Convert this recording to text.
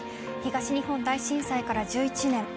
東日本大震災から１１年。